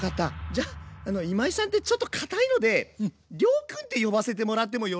じゃ今井さんってちょっと堅いので亮くんって呼ばせてもらってもよろしいか？